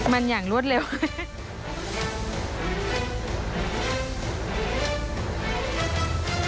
มันอย่างรวดเร็วค่ะ